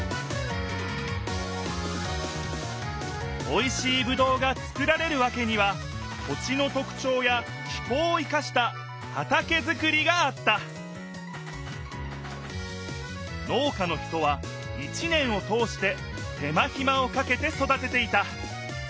おいしいぶどうがつくられるわけには土地のとくちょうや気候を生かした畑づくりがあった農家の人は一年を通して手間ひまをかけて育てていた。